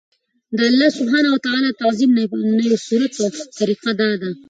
د الله سبحانه وتعالی د تعظيم نه يو صورت او طريقه دا ده